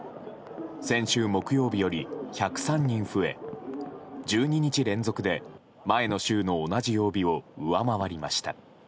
先週木曜日より１０３人増え１２日連続で、前の週の同じ曜日を上回りました。